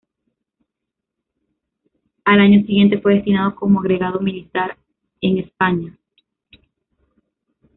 Al año siguiente fue destinado como agregado militar en España.